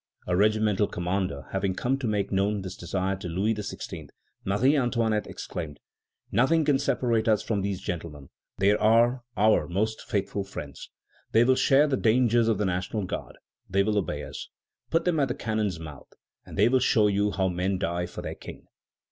A regimental commander having come to make known this desire to Louis XVI., Marie Antoinette exclaimed: "Nothing can separate us from these gentlemen; they are our most faithful friends. They will share the dangers of the National Guard. They will obey us. Put them at the cannon's mouth, and they will show you how men die for their King."